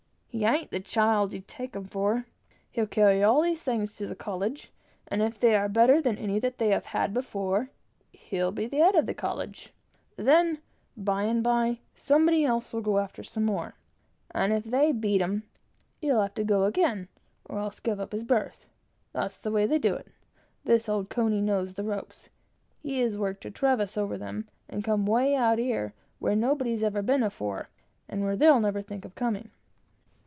He a'n't the child you take him for. He'll carry all these things to the college, and if they are better than any that they have had before, he'll be head of the college. Then, by and by, somebody else will go after some more, and if they beat him, he'll have to go again, or else give up his berth. That's the way they do it. This old covey knows the ropes. He has worked a traverse over 'em, and come 'way out here, where nobody's ever been afore, and where they'll never think of coming."